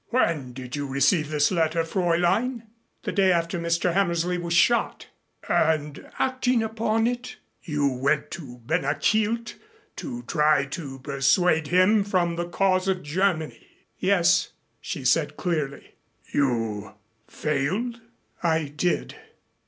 When did you receive this letter, Fräulein?" "The day after Mr. Hammersley was shot " "And, acting upon it, you went to Ben a Chielt to try to persuade him from the cause of Germany." "Yes," she said clearly. "You failed?" "I did."